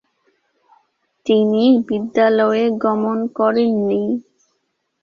তিনি বিদ্যালয়ে গমন করেননি।